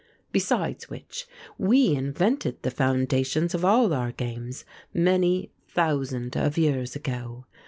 Besides which, we invented the foundations of all our games many thousand of years ago.